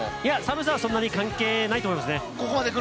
寒さはそんなに関係ないと思います。